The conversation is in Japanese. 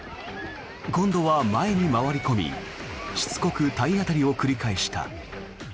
今度は前に回り込みしつこく体当たりを繰り返した。